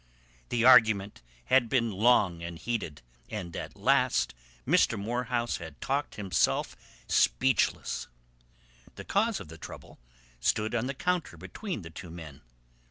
The argument had been long and heated, and at last Mr. Morehouse had talked himself speechless. The cause of the trouble stood on the counter between the two men.